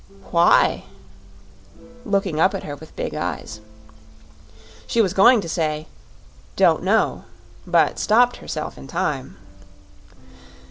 "Why?" looking up at her with big eyes. She was going to say: "Don't know," but stopped herself in time.